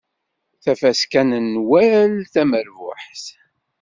Tafaska n Nwal tamerbuḥt.